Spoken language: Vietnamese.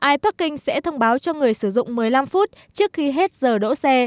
iparking sẽ thông báo cho người sử dụng một mươi năm phút trước khi hết giờ đỗ xe